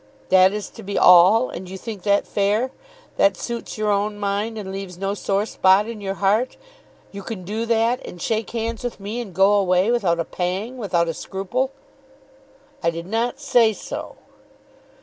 That is to be all, and you think that fair? That suits your own mind, and leaves no sore spot in your heart? You can do that, and shake hands with me, and go away, without a pang, without a scruple?" "I did not say so."